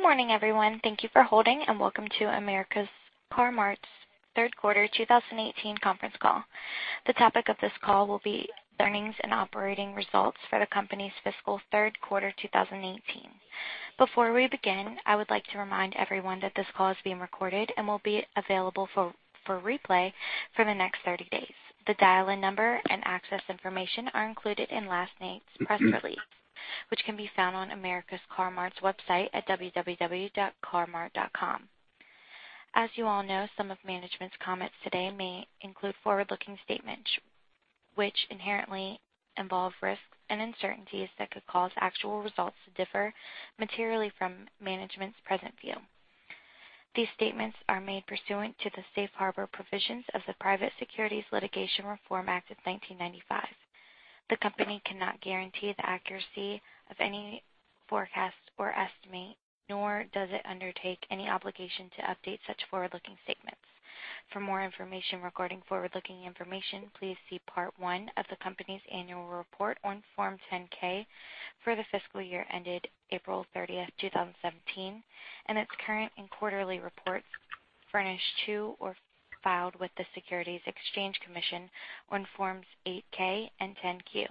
Good morning, everyone. Thank you for holding, and welcome to America's Car-Mart's third quarter 2018 conference call. The topic of this call will be earnings and operating results for the company's fiscal third quarter 2018. Before we begin, I would like to remind everyone that this call is being recorded and will be available for replay for the next 30 days. The dial-in number and access information are included in last night's press release, which can be found on America's Car-Mart's website at www.car-mart.com. As you all know, some of management's comments today may include forward-looking statements, which inherently involve risks and uncertainties that could cause actual results to differ materially from management's present view. These statements are made pursuant to the safe harbor provisions of the Private Securities Litigation Reform Act of 1995. The company cannot guarantee the accuracy of any forecasts or estimate, nor does it undertake any obligation to update such forward-looking statements. For more information regarding forward-looking information, please see part one of the company's annual report on Form 10-K for the fiscal year ended April 30th, 2017, and its current and quarterly reports furnished to or filed with the Securities and Exchange Commission on Forms 8-K and 10-Q.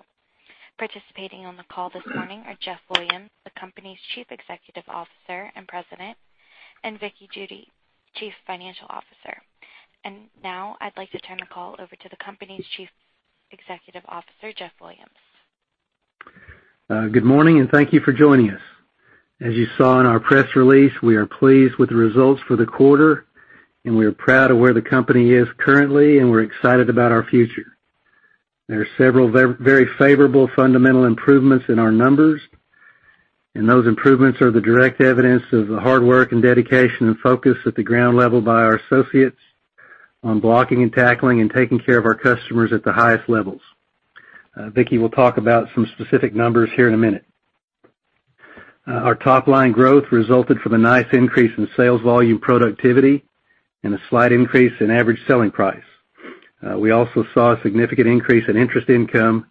Participating on the call this morning are Jeff Williams, the company's Chief Executive Officer and President, and Vickie Judy, Chief Financial Officer. Now I'd like to turn the call over to the company's Chief Executive Officer, Jeff Williams. Good morning, thank you for joining us. As you saw in our press release, we are pleased with the results for the quarter, we are proud of where the company is currently, we're excited about our future. There are several very favorable fundamental improvements in our numbers. Those improvements are the direct evidence of the hard work and dedication and focus at the ground level by our associates on blocking and tackling and taking care of our customers at the highest levels. Vickie will talk about some specific numbers here in a minute. Our top-line growth resulted from a nice increase in sales volume productivity and a slight increase in average selling price. We also saw a significant increase in interest income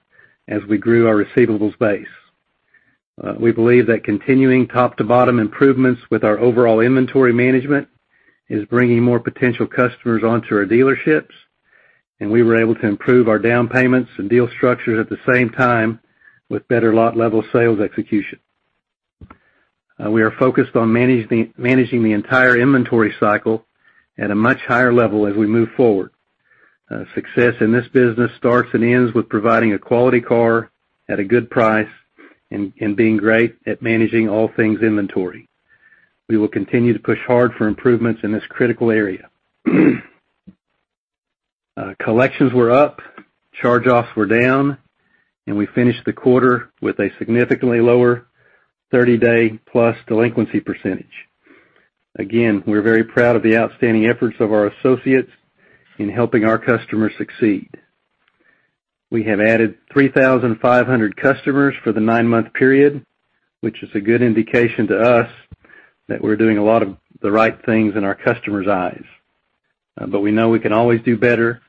as we grew our receivables base. We believe that continuing top-to-bottom improvements with our overall inventory management is bringing more potential customers onto our dealerships, we were able to improve our down payments and deal structures at the same time with better lot level sales execution. We are focused on managing the entire inventory cycle at a much higher level as we move forward. Success in this business starts and ends with providing a quality car at a good price and being great at managing all things inventory. We will continue to push hard for improvements in this critical area. Collections were up, charge-offs were down, we finished the quarter with a significantly lower 30-day-plus delinquency percentage. Again, we're very proud of the outstanding efforts of our associates in helping our customers succeed. We have added 3,500 customers for the nine-month period, which is a good indication to us that we're doing a lot of the right things in our customers' eyes. We know we can always do better,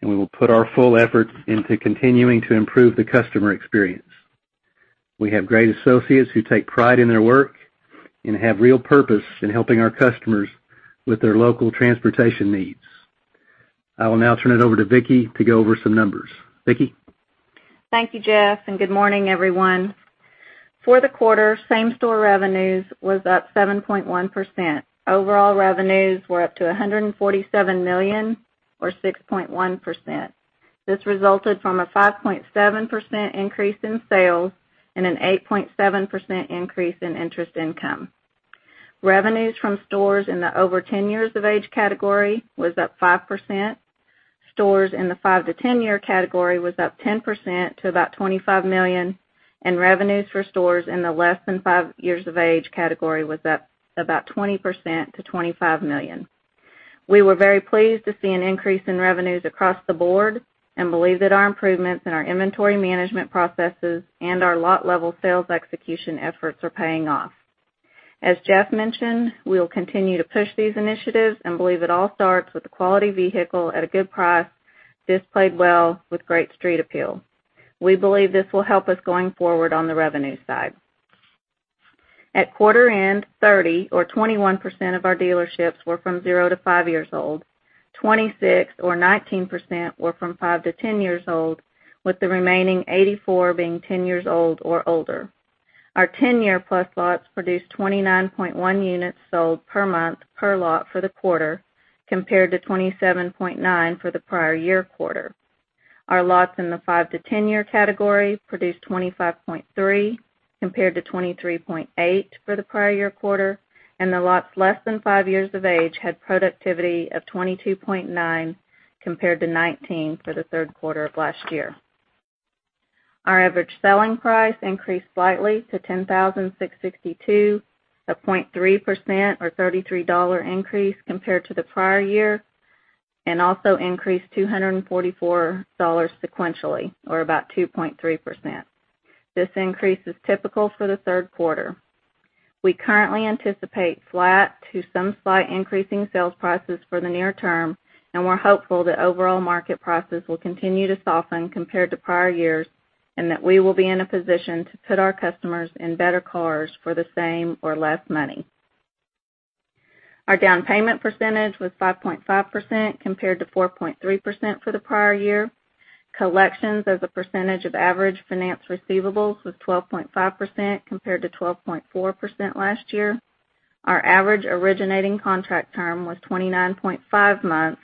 and we will put our full effort into continuing to improve the customer experience. We have great associates who take pride in their work and have real purpose in helping our customers with their local transportation needs. I will now turn it over to Vickie to go over some numbers. Vickie? Thank you, Jeff, good morning, everyone. For the quarter, same-store revenues was up 7.1%. Overall revenues were up to $147 million or 6.1%. This resulted from a 5.7% increase in sales and an 8.7% increase in interest income. Revenues from stores in the over 10 years of age category was up 5%. Stores in the 5 to 10 year category was up 10% to about $25 million, and revenues for stores in the less than 5 years of age category was up about 20% to $25 million. We were very pleased to see an increase in revenues across the board and believe that our improvements in our inventory management processes and our lot level sales execution efforts are paying off. As Jeff mentioned, we will continue to push these initiatives and believe it all starts with a quality vehicle at a good price. This played well with great street appeal. We believe this will help us going forward on the revenue side. At quarter end, 30 or 21% of our dealerships were from 0 to 5 years old. 26 or 19% were from 5 to 10 years old, with the remaining 84 being 10 years old or older. Our 10-year-plus lots produced 29.1 units sold per month per lot for the quarter, compared to 27.9 for the prior year quarter. Our lots in the 5 to 10-year category produced 25.3, compared to 23.8 for the prior year quarter, and the lots less than 5 years of age had productivity of 22.9, compared to 19 for the third quarter of last year. Our average selling price increased slightly to $10,662, a 0.3% or $33 increase compared to the prior year, and also increased $244 sequentially, or about 2.3%. This increase is typical for the third quarter. We currently anticipate flat to some slight increasing sales prices for the near term, and we're hopeful that overall market prices will continue to soften compared to prior years that we will be in a position to put our customers in better cars for the same or less money. Our down payment percentage was 5.5%, compared to 4.3% for the prior year. Collections as a percentage of average finance receivables was 12.5%, compared to 12.4% last year. Our average originating contract term was 29.5 months,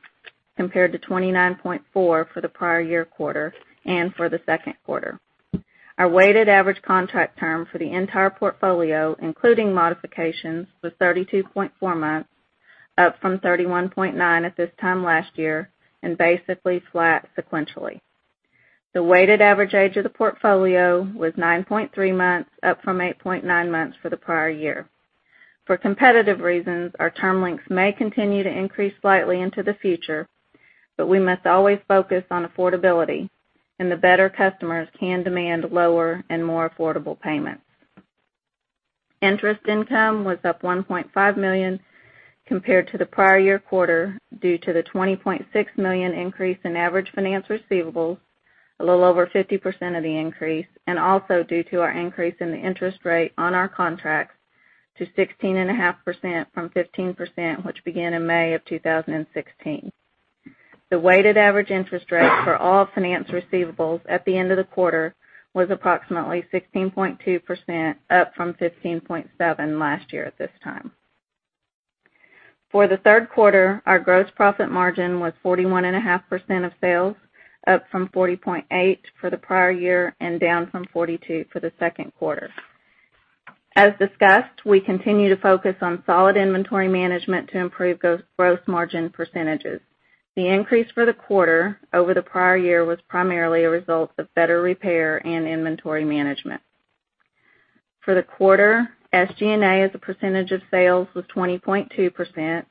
compared to 29.4 for the prior year quarter and for the second quarter. Our weighted average contract term for the entire portfolio, including modifications, was 32.4 months, up from 31.9 at this time last year, and basically flat sequentially. The weighted average age of the portfolio was 9.3 months, up from 8.9 months for the prior year. For competitive reasons, our term lengths may continue to increase slightly into the future, but we must always focus on affordability, the better customers can demand lower and more affordable payments. Interest income was up $1.5 million compared to the prior year quarter, due to the $20.6 million increase in average finance receivables, a little over 50% of the increase, and also due to our increase in the interest rate on our contracts to 16.5% from 15%, which began in May of 2016. The weighted average interest rate for all finance receivables at the end of the quarter was approximately 16.2%, up from 15.7 last year at this time. For the third quarter, our gross profit margin was 41.5% of sales, up from 40.8 for the prior year and down from 42 for the second quarter. As discussed, we continue to focus on solid inventory management to improve gross margin percentages. The increase for the quarter over the prior year was primarily a result of better repair and inventory management. For the quarter, SG&A as a percentage of sales was 20.2%,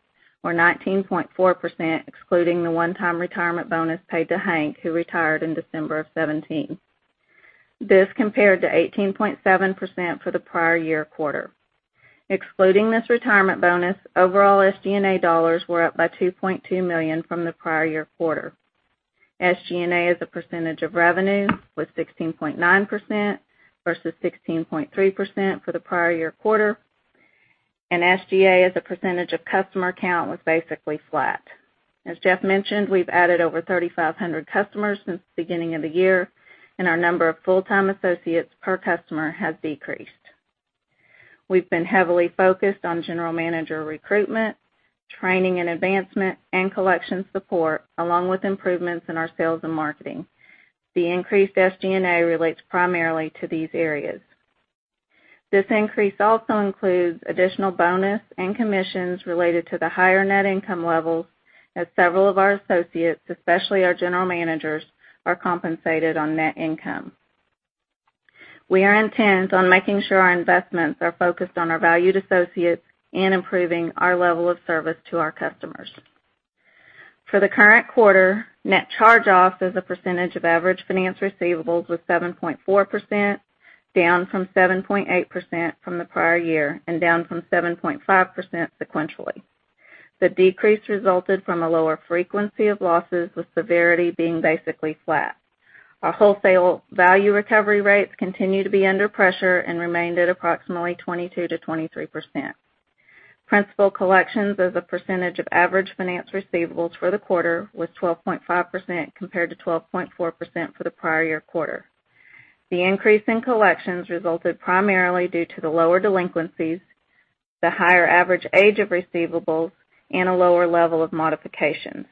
or 19.4% excluding the one-time retirement bonus paid to Hank, who retired in December of 2017. This compared to 18.7% for the prior year quarter. Excluding this retirement bonus, overall SG&A dollars were up by $2.2 million from the prior year quarter. SG&A as a percentage of revenue was 16.9% versus 16.3% for the prior year quarter, and SG&A as a percentage of customer count was basically flat. As Jeff mentioned, we've added over 3,500 customers since the beginning of the year, and our number of full-time associates per customer has decreased. We've been heavily focused on general manager recruitment, training and advancement, and collection support, along with improvements in our sales and marketing. The increased SG&A relates primarily to these areas. This increase also includes additional bonus and commissions related to the higher net income levels, as several of our associates, especially our general managers, are compensated on net income. We are intent on making sure our investments are focused on our valued associates and improving our level of service to our customers. For the current quarter, net charge-offs as a percentage of average finance receivables was 7.4%, down from 7.8% from the prior year and down from 7.5% sequentially. The decrease resulted from a lower frequency of losses, with severity being basically flat. Our wholesale value recovery rates continue to be under pressure and remained at approximately 22%-23%. Principal collections as a percentage of average finance receivables for the quarter was 12.5%, compared to 12.4% for the prior year quarter. The increase in collections resulted primarily due to the lower delinquencies, the higher average age of receivables, and a lower level of modifications,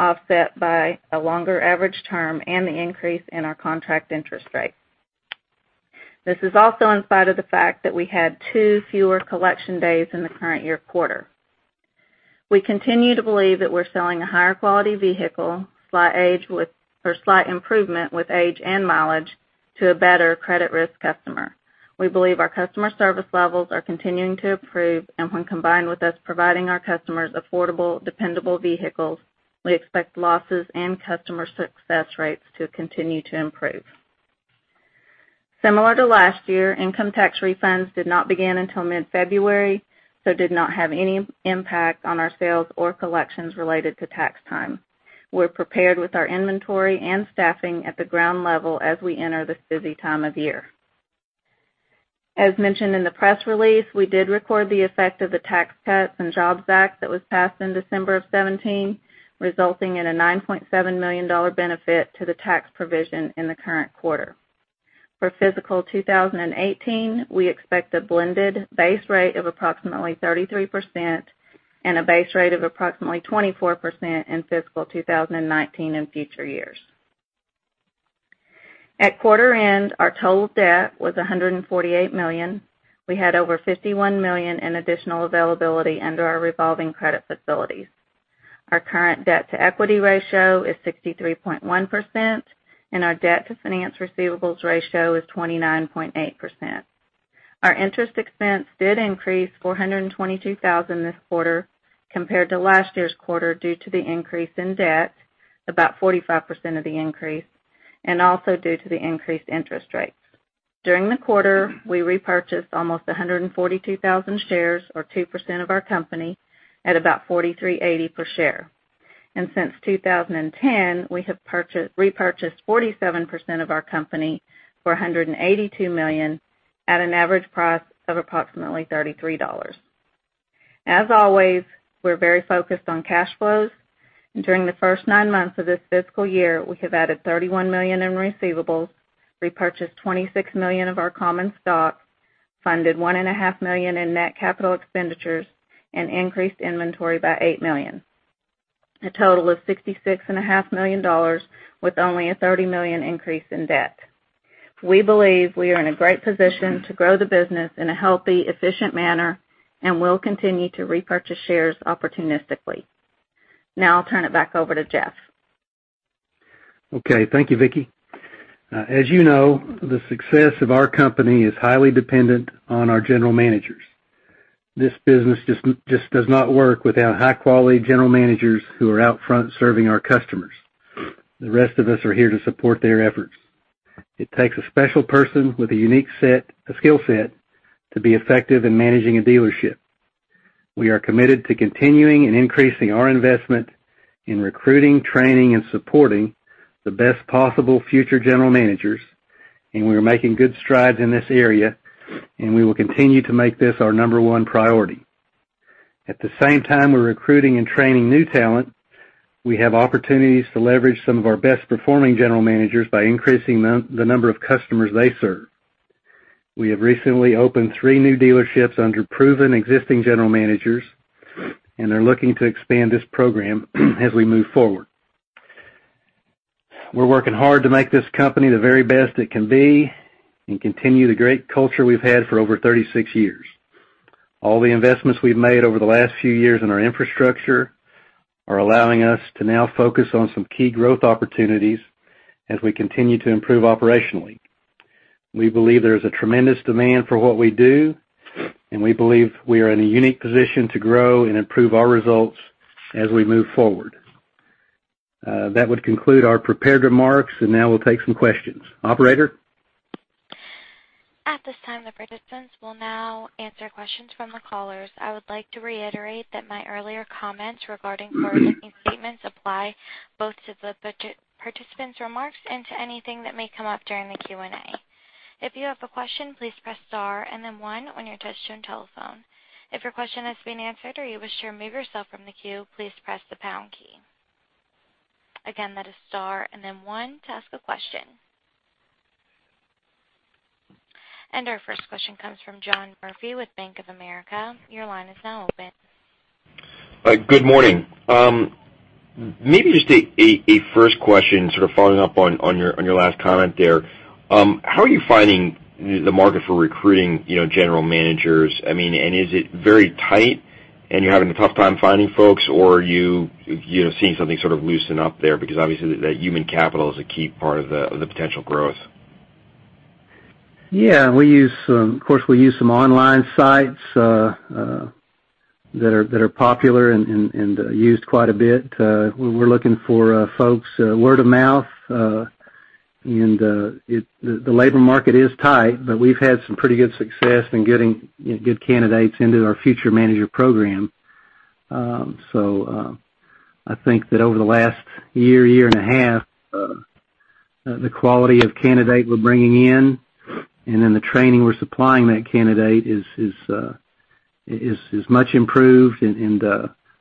offset by a longer average term and the increase in our contract interest rate. This is also in spite of the fact that we had two fewer collection days in the current year quarter. We continue to believe that we're selling a higher quality vehicle, for slight improvement with age and mileage, to a better credit risk customer. We believe our customer service levels are continuing to improve, and when combined with us providing our customers affordable, dependable vehicles, we expect losses and customer success rates to continue to improve. Similar to last year, income tax refunds did not begin until mid-February, did not have any impact on our sales or collections related to tax time. We're prepared with our inventory and staffing at the ground level as we enter this busy time of year. As mentioned in the press release, we did record the effect of the Tax Cuts and Jobs Act that was passed in December of 2017, resulting in a $9.7 million benefit to the tax provision in the current quarter. For fiscal 2018, we expect a blended base rate of approximately 33% and a base rate of approximately 24% in fiscal 2019 and future years. At quarter-end, our total debt was $148 million. We had over $51 million in additional availability under our revolving credit facilities. Our current debt-to-equity ratio is 63.1%, and our debt-to-finance receivables ratio is 29.8%. Our interest expense did increase $422,000 this quarter compared to last year's quarter due to the increase in debt, about 45% of the increase, and also due to the increased interest rates. During the quarter, we repurchased almost 142,000 shares, or 2% of our company, at about $43.80 per share. Since 2010, we have repurchased 47% of our company for $182 million at an average price of approximately $33. As always, we're very focused on cash flows. During the first nine months of this fiscal year, we have added $31 million in receivables, repurchased $26 million of our common stock, funded $1.5 million in net capital expenditures, and increased inventory by $8 million. A total of $66.5 million with only a $30 million increase in debt. We believe we are in a great position to grow the business in a healthy, efficient manner and will continue to repurchase shares opportunistically. I'll turn it back over to Jeff. Thank you, Vickie. As you know, the success of our company is highly dependent on our general managers. This business just does not work without high-quality general managers who are out front serving our customers. The rest of us are here to support their efforts. It takes a special person with a unique skill set to be effective in managing a dealership. We are committed to continuing and increasing our investment in recruiting, training, and supporting the best possible future general managers, we are making good strides in this area, we will continue to make this our number one priority. At the same time we're recruiting and training new talent, we have opportunities to leverage some of our best-performing general managers by increasing the number of customers they serve. We have recently opened three new dealerships under proven existing general managers, and are looking to expand this program as we move forward. We're working hard to make this company the very best it can be and continue the great culture we've had for over 36 years. All the investments we've made over the last few years in our infrastructure are allowing us to now focus on some key growth opportunities as we continue to improve operationally. We believe there is a tremendous demand for what we do, and we believe we are in a unique position to grow and improve our results as we move forward. That would conclude our prepared remarks, and now we'll take some questions. Operator? At this time, the participants will now answer questions from the callers. I would like to reiterate that my earlier comments regarding forward-looking statements apply both to the participants' remarks and to anything that may come up during the Q&A. If you have a question, please press star and then one on your touchtone telephone. If your question has been answered or you wish to remove yourself from the queue, please press the pound key. Again, that is star and then one to ask a question. Our first question comes from John Murphy with Bank of America. Your line is now open. Good morning. Maybe just a first question, sort of following up on your last comment there. How are you finding the market for recruiting general managers? Is it very tight and you're having a tough time finding folks, or are you seeing something sort of loosen up there? Obviously, the human capital is a key part of the potential growth. Yeah. Of course, we use some online sites, that are popular and used quite a bit. We're looking for folks, word of mouth. The labor market is tight, but we've had some pretty good success in getting good candidates into our Future Manager Program. I think that over the last year and a half, the quality of candidate we're bringing in and then the training we're supplying that candidate is much improved, and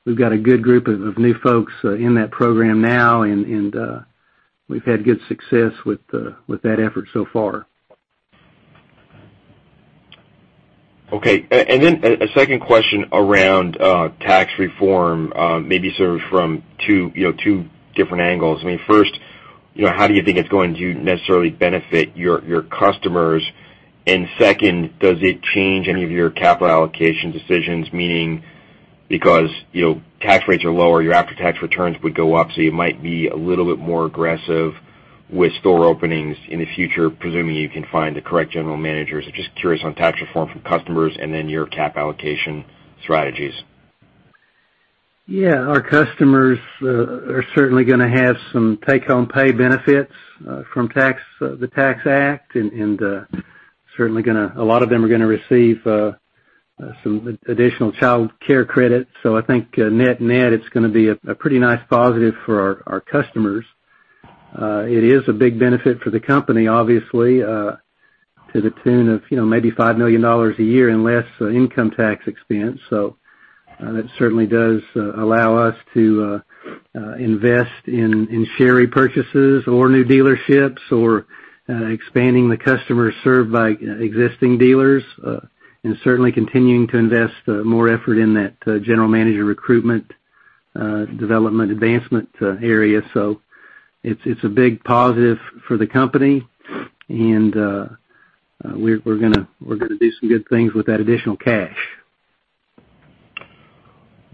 we've got a good group of new folks in that program now, and we've had good success with that effort so far. A second question around tax reform, maybe sort of from two different angles. First, how do you think it's going to necessarily benefit your customers? Second, does it change any of your capital allocation decisions? Meaning because tax rates are lower, your after-tax returns would go up, so you might be a little bit more aggressive with store openings in the future, presuming you can find the correct general managers. I'm just curious on tax reform from customers and then your cap allocation strategies. Yeah. Our customers are certainly going to have some take-home pay benefits from the Tax Act, Certainly a lot of them are going to receive some additional childcare credits. I think net-net, it's going to be a pretty nice positive for our customers. It is a big benefit for the company, obviously, to the tune of maybe $5 million a year in less income tax expense. That certainly does allow us to invest in share repurchases or new dealerships or expanding the customers served by existing dealers, Certainly continuing to invest more effort in that general manager recruitment development advancement area. It's a big positive for the company, and we're going to do some good things with that additional cash.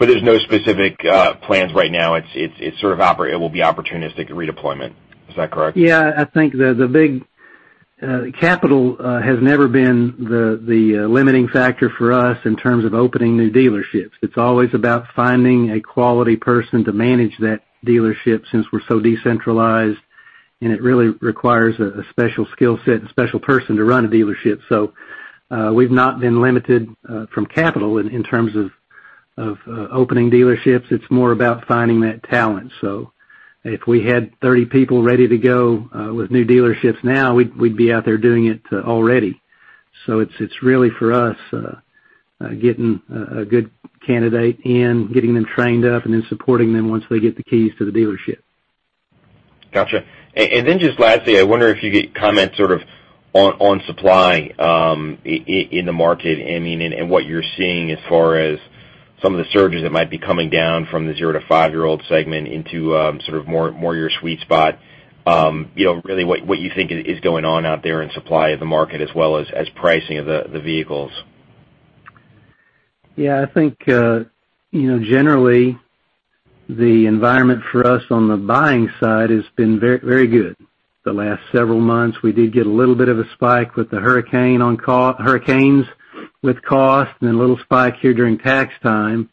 There's no specific plans right now. It will be opportunistic redeployment. Is that correct? Yeah. I think the big capital has never been the limiting factor for us in terms of opening new dealerships. It's always about finding a quality person to manage that dealership, since we're so decentralized, and it really requires a special skill set and special person to run a dealership. We've not been limited from capital in terms of opening dealerships. It's more about finding that talent. If we had 30 people ready to go with new dealerships now, we'd be out there doing it already. It's really for us, getting a good candidate in, getting them trained up, and then supporting them once they get the keys to the dealership. Got you. Just lastly, I wonder if you could comment sort of on supply in the market and what you're seeing as far as some of the surges that might be coming down from the 0 to 5-year-old segment into sort of more your sweet spot. Really, what you think is going on out there in supply of the market as well as pricing of the vehicles? I think, generally, the environment for us on the buying side has been very good the last several months. We did get a little bit of a spike with the hurricanes with cost, and a little spike here during tax time.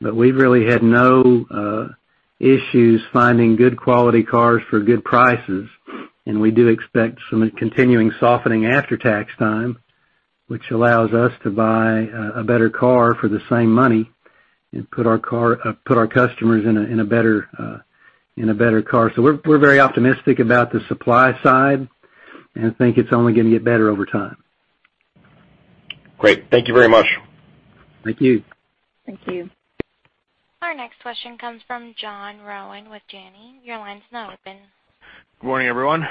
We've really had no issues finding good quality cars for good prices, and we do expect some continuing softening after tax time, which allows us to buy a better car for the same money and put our customers in a better car. We're very optimistic about the supply side, and think it's only going to get better over time. Great. Thank you very much. Thank you. Thank you. Our next question comes from John Rowan with Janney. Your line's now open. Good morning, everyone.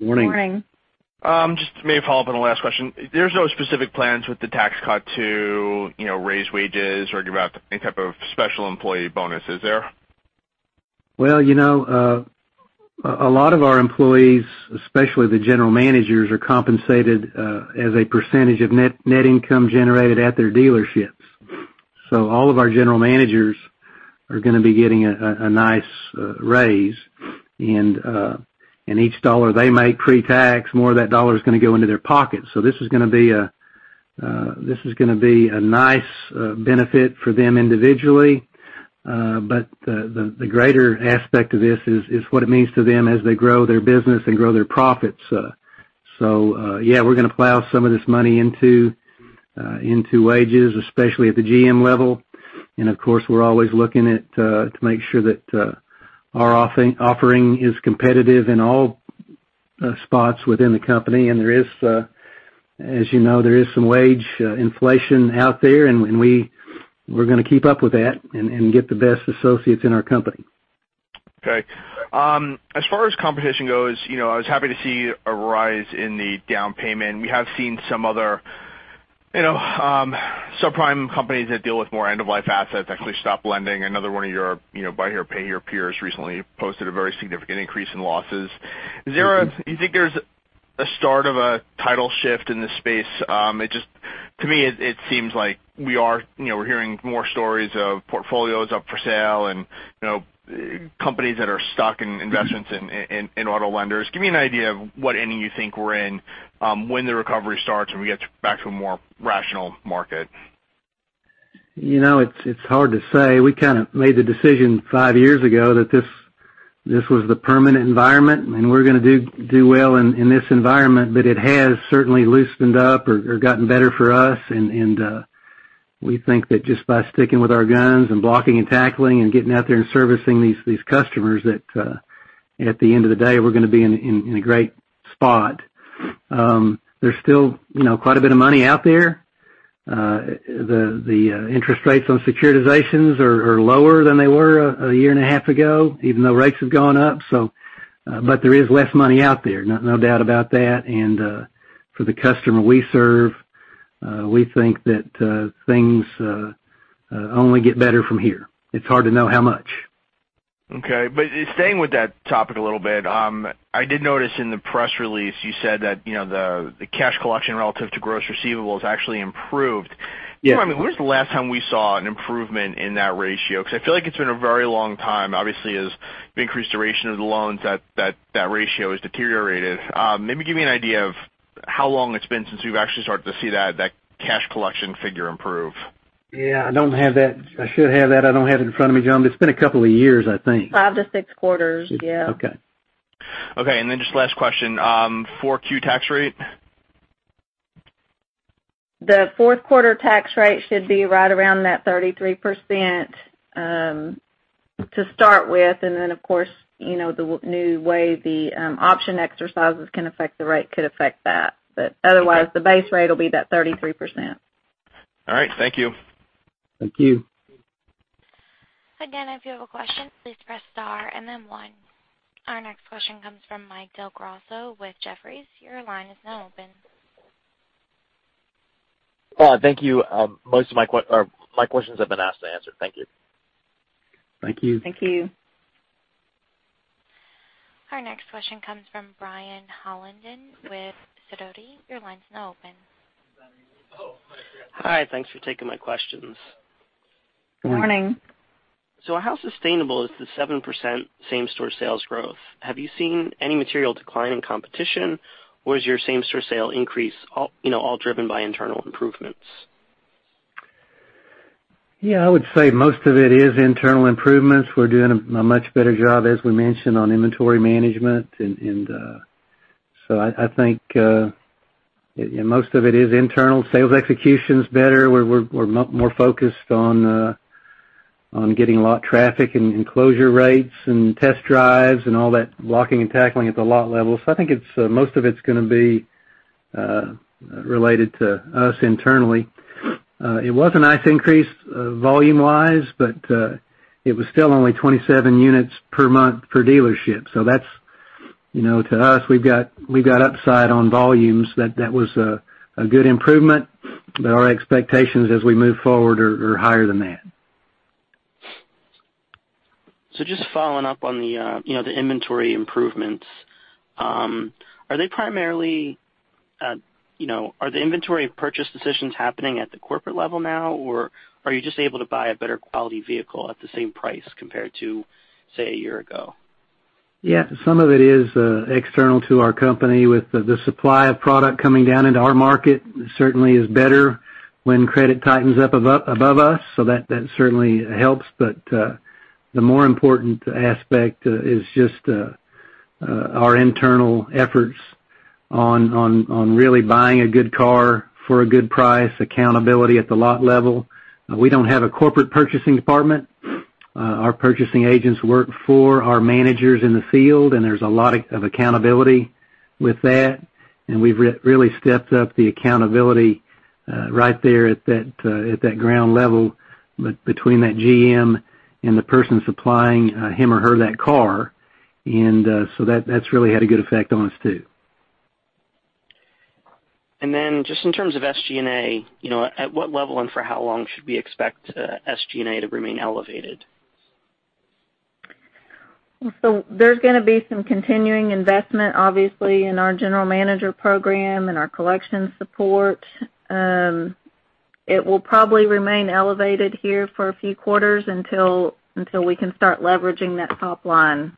Morning. Morning. Just maybe a follow-up on the last question. There's no specific plans with the tax cut to raise wages or give out any type of special employee bonus, is there? A lot of our employees, especially the general managers, are compensated as a percentage of net income generated at their dealerships. All of our general managers are going to be getting a nice raise, and each dollar they make pre-tax, more of that dollar is going to go into their pocket. This is going to be a nice benefit for them individually. The greater aspect of this is what it means to them as they grow their business and grow their profits. Yeah, we're going to plow some of this money into wages, especially at the GM level. Of course, we're always looking to make sure that our offering is competitive in all spots within the company. As you know, there is some wage inflation out there, and we're going to keep up with that and get the best associates in our company. Okay. As far as competition goes, I was happy to see a rise in the down payment. We have seen some other subprime companies that deal with more end-of-life assets actually stop lending. Another one of your Buy Here/Pay Here peers recently posted a very significant increase in losses. Do you think there's a start of a tidal shift in this space? To me, it seems like we're hearing more stories of portfolios up for sale and companies that are stuck in investments in auto lenders. Give me an idea of what ending you think we're in, when the recovery starts, and we get back to a more rational market. It's hard to say. We kind of made the decision five years ago that this was the permanent environment, and we're going to do well in this environment. It has certainly loosened up or gotten better for us, and we think that just by sticking with our guns and blocking and tackling and getting out there and servicing these customers, that at the end of the day, we're going to be in a great spot. There's still quite a bit of money out there. The interest rates on securitizations are lower than they were a year and a half ago, even though rates have gone up. There is less money out there, no doubt about that. For the customer we serve, we think that things only get better from here. It's hard to know how much. Okay. Staying with that topic a little bit, I did notice in the press release, you said that the cash collection relative to gross receivables actually improved. Yes. When was the last time we saw an improvement in that ratio? I feel like it's been a very long time. Obviously, as the increased duration of the loans, that ratio has deteriorated. Maybe give me an idea of how long it's been since we've actually started to see that cash collection figure improve. Yeah, I don't have that. I should have that. I don't have it in front of me, John. It's been a couple of years, I think. Five to six quarters. Yeah. Okay. Okay, just last question. 4Q tax rate? The fourth quarter tax rate should be right around that 33% to start with, and then, of course, the new way the option exercises can affect the rate could affect that. Otherwise, the base rate will be that 33%. All right. Thank you. Thank you. Again, if you have a question, please press star and then one. Our next question comes from Mike Del Grosso with Jefferies. Your line is now open. Thank you. Most of my questions have been asked and answered. Thank you. Thank you. Thank you. Our next question comes from Brian Hollenden with Sidoti. Your line's now open. Is that me? Oh, my bad. Hi. Thanks for taking my questions. Morning. Morning. How sustainable is the 7% same-store sales growth? Have you seen any material decline in competition, or is your same-store sale increase all driven by internal improvements? I would say most of it is internal improvements. We're doing a much better job, as we mentioned, on inventory management. I think most of it is internal. Sales execution's better. We're more focused on getting lot traffic and closure rates and test drives and all that blocking and tackling at the lot level. I think most of it's going to be related to us internally. It was a nice increase volume wise, but it was still only 27 units per month per dealership. To us, we've got upside on volumes. That was a good improvement, but our expectations as we move forward are higher than that. Just following up on the inventory improvements. Are the inventory purchase decisions happening at the corporate level now, or are you just able to buy a better quality vehicle at the same price compared to, say, a year ago? Yeah, some of it is external to our company with the supply of product coming down into our market certainly is better when credit tightens up above us. That certainly helps. The more important aspect is just our internal efforts on really buying a good car for a good price, accountability at the lot level. We don't have a corporate purchasing department. Our purchasing agents work for our managers in the field, and there's a lot of accountability with that, and we've really stepped up the accountability right there at that ground level between that GM and the person supplying him or her that car. That's really had a good effect on us, too. Just in terms of SG&A, at what level and for how long should we expect SG&A to remain elevated? There's going to be some continuing investment, obviously, in our general manager program and our collection support. It will probably remain elevated here for a few quarters until we can start leveraging that top line.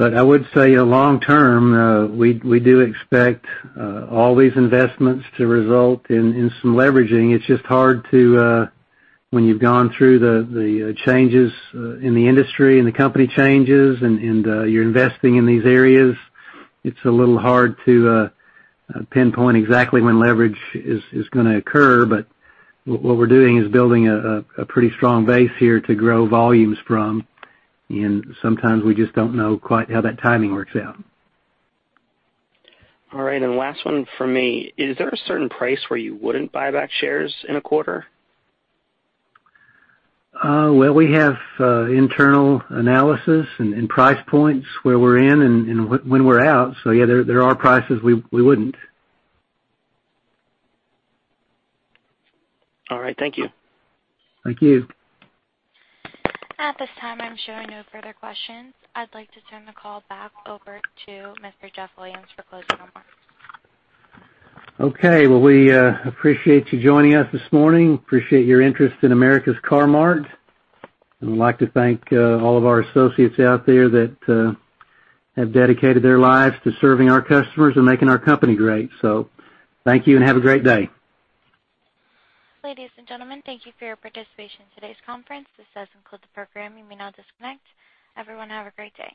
I would say long term, we do expect all these investments to result in some leveraging. When you've gone through the changes in the industry and the company changes and you're investing in these areas, it's a little hard to pinpoint exactly when leverage is going to occur. What we're doing is building a pretty strong base here to grow volumes from, and sometimes we just don't know quite how that timing works out. All right, last one from me. Is there a certain price where you wouldn't buy back shares in a quarter? Well, we have internal analysis and price points where we're in and when we're out. Yeah, there are prices we wouldn't. All right. Thank you. Thank you. At this time, I'm showing no further questions. I'd like to turn the call back over to Mr. Jeff Williams for closing remarks. Okay. Well, we appreciate you joining us this morning. Appreciate your interest in America's Car-Mart, and we'd like to thank all of our associates out there that have dedicated their lives to serving our customers and making our company great. Thank you and have a great day. Ladies and gentlemen, thank you for your participation in today's conference. This does conclude the program. You may now disconnect. Everyone have a great day.